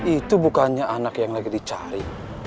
itu bukannya anak yang lagi dicari